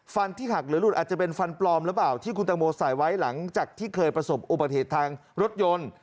ฟันที่หักหรือหลุดอาจจะเป็นฟันปลอมหรือเปล่าที่คุณตังโมใส่ไว้หลังจากที่เคยประสบอุบัติเหตุทางรถยนต์